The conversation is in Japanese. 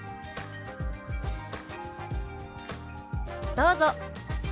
どうぞ。